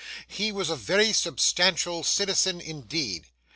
He was a very substantial citizen indeed.